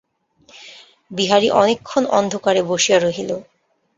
বিহারী অনেকক্ষণ অন্ধকারে বসিয়া রহিল।